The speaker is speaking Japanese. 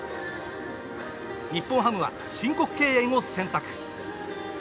日本ハムは申告敬遠を選択。